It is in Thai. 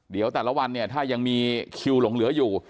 เดี๋ยวแต่ละวันเนี่ยถ้ายังมีคิวหลงเหลืออยู่